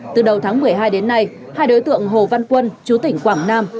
từ đầu tháng một mươi hai đến nay hai đối tượng hồ văn quân chú tỉnh quảng nam